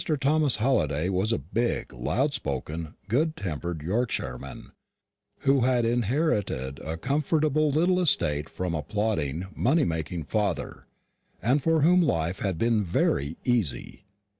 Thomas Halliday was a big, loud spoken, good tempered Yorkshireman, who had inherited a comfortable little estate from a plodding, money making father, and for whom life had been very easy.